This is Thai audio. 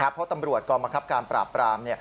เพราะตำรวจกองบังคับการปราบปราม